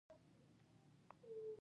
په ایران کې د بزګرانو یو بل مهم پاڅون و.